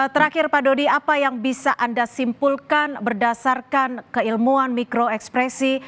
terakhir pak dodi apa yang bisa anda simpulkan berdasarkan keilmuan mikro ekspresi